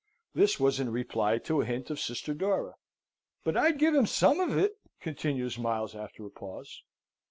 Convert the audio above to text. This was in reply to a hint of sister Dora. "But I'd give him some of it," continues Miles, after a pause.